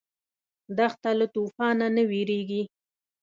دښته له توفانه نه وېرېږي.